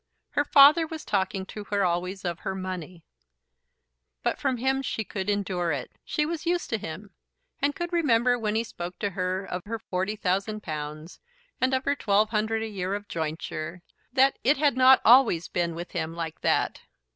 Her father was talking to her always of her money; but from him she could endure it. She was used to him, and could remember when he spoke to her of her forty thousand pounds, and of her twelve hundred a year of jointure, that it had not always been with him like that.